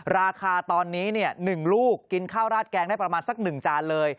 ราคาตอนนี้๑ลูกกินข้าวราดแกงได้ประมาณสัก๑จานเลย